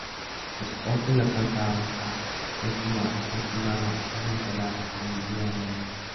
Por su parte, la planta alta es una balconada adintelada con moldura de oreja.